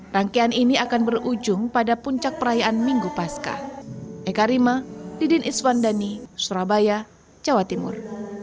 rangkaian ini akan berujung pada puncak perayaan minggu pasca ekarima didin iswandani surabaya jawa timur